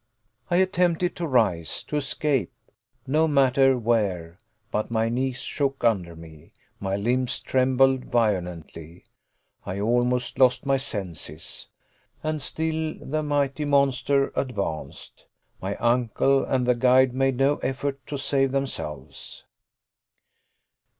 I attempted to rise to escape, no matter where, but my knees shook under me; my limbs trembled violently; I almost lost my senses. And still the mighty monster advanced. My uncle and the guide made no effort to save themselves.